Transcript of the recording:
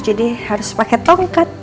jadi harus pakai tongkat